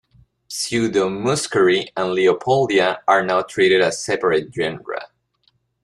"Pseudomuscari" and "Leopoldia" are now treated as separate genera.